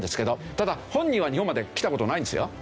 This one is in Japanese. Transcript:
ただ本人は日本まで来た事ないんですよ。